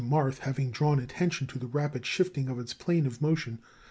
Marth having drawn attention to the rapid shifting of its plane of motion, M.